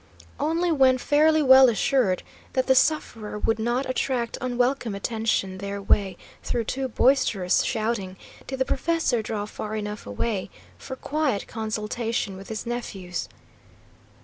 Only when fairly well assured that the sufferer would not attract unwelcome attention their way through too boisterous shouting, did the professor draw far enough away for quiet consultation with his nephews.